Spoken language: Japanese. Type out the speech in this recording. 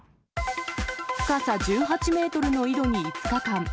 深さ１８メートルの井戸に５日間。